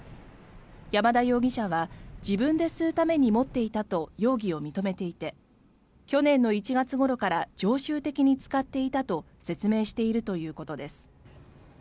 山田容疑者は自分で吸うために持っていたと容疑を認めていて去年の１月ごろから常習的に使っていたと説明しているということです。